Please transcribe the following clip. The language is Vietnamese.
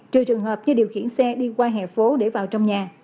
trừ trường hợp như điều khiển xe đi qua hẻ phố để vào trong nhà